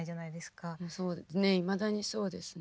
いまだにそうですね。